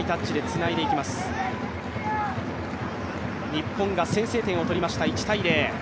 日本が先制点を取りました